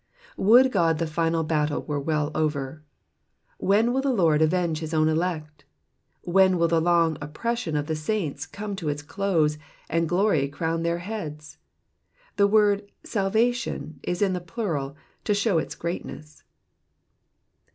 "*^ Would God the final battle were well over. When will the Lord avenge his own elect ? When will the long oppression of the saints come to its close, and glory crown their heads? The word salvation^ ^ is in the plural, t^ show its greatness.